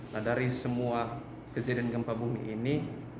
nah dari semua kejadian gempa bumi ini